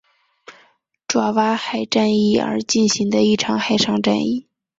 爪哇海战役而进行的一场海上战役。